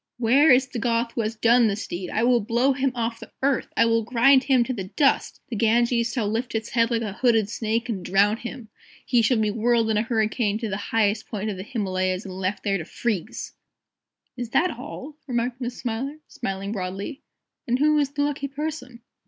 "Where is the Goth who has done this deed? I will blow him off the earth! I will grind him to the dust! The Ganges shall lift its head like a hooded snake, and drown him! He shall be whirled in a hurricane to the highest peak of the Himalayas and left there to freeze!" "Is that all?" remarked Miss Smiler, smiling broadly. "And who is the lucky person?"